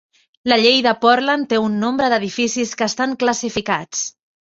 La llei de Portland té un nombre d'edificis que estan classificats.